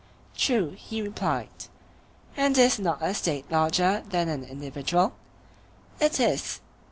True, he replied. And is not a State larger than an individual? It is.